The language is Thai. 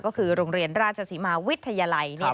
ก็คือโรงเรียนราชศรีมาวิทยาลัย